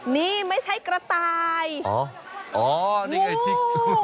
นี่ไม่ใช่กระต่ายงู